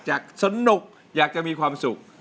สนุกอยากจะมีความสุข